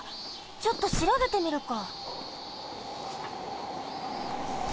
ちょっとしらべてみるか。